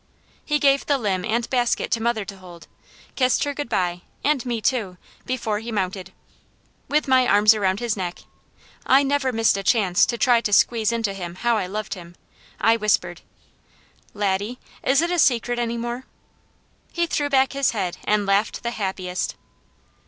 He gave the limb and basket to mother to hold, kissed her good bye, and me too, before he mounted. With my arms around his neck I never missed a chance to try to squeeze into him how I loved him I whispered: "Laddie, is it a secret any more?" He threw back his head and laughed the happiest.